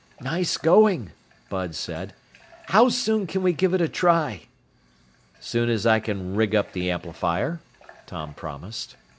"Nice going," Bud said. "How soon can we give it a try?" "Soon as I can rig up the amplifier," Tom promised.